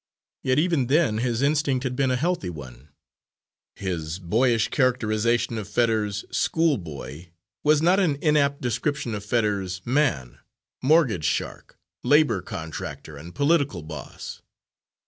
Yet even then his instinct had been a healthy one; his boyish characterisation of Fetters, schoolboy, was not an inapt description of Fetters, man mortgage shark, labour contractor and political boss.